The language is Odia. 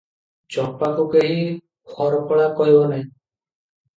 ଚମ୍ପାକୁ କେହି ହରକଳା କହିବ ନାହିଁ ।"